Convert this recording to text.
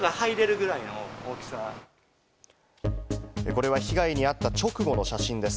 これは被害に遭った直後の写真です。